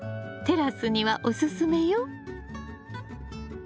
テラスにはおすすめよ。